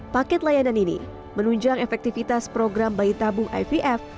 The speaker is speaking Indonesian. paket layanan ini menunjang efektivitas program bayi tabung ivf